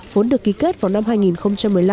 vốn được ký kết vào năm hai nghìn một mươi năm